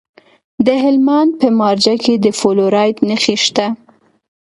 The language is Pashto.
د هلمند په مارجه کې د فلورایټ نښې شته.